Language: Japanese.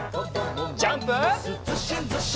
ジャンプ！